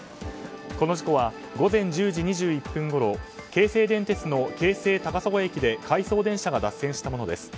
この事故は午前１０時２１分ごろ京成電鉄の京成高砂駅で回送電車が脱走したものです。